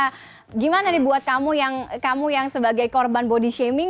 nah gimana nih buat kamu yang sebagai korban body shaming